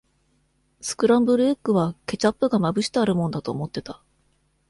スクランブルエッグは、ケチャップがまぶしてあるもんだと思ってた。